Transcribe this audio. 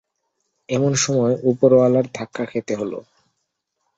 এমন সময় উপরওয়ালার ধাক্কা খেতে হল।